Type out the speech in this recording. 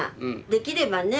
できればね